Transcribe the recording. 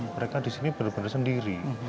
mereka di sini benar benar sendiri